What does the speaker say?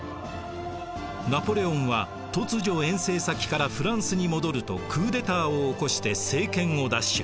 ナポレオンは突如遠征先からフランスに戻るとクーデターを起こして政権を奪取。